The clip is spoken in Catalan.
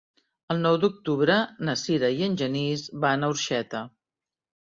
El nou d'octubre na Sira i en Genís van a Orxeta.